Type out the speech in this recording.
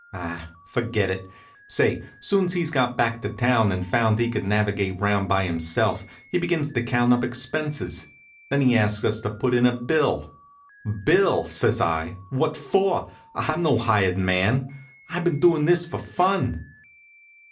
Ah, forget it! Say, soon's he got back to town and found he could navigate 'round by himself, he begins to count up expenses. Then he asks us to put in a bill. "Bill!" says I. "What for? I'm no hired man. I've been doin' this for fun."